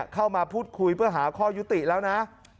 เข้ามาพูดคุยเพื่อหาข้อยุติแล้วนะ